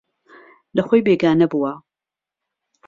لەخۆی بێگانە بووە